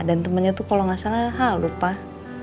dan temennya tuh kalo gak salah halus pak